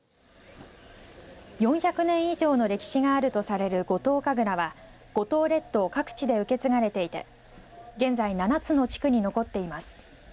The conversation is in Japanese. ４００年以上の歴史があるとされる五島神楽は五島列島各地で受け継がれていて現在７つの地区に残っています。